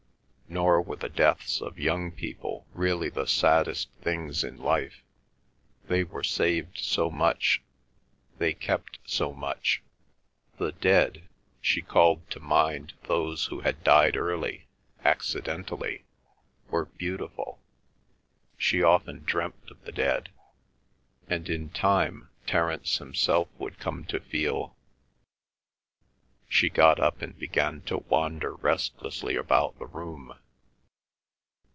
Nor were the deaths of young people really the saddest things in life—they were saved so much; they kept so much. The dead—she called to mind those who had died early, accidentally—were beautiful; she often dreamt of the dead. And in time Terence himself would come to feel—She got up and began to wander restlessly about the room.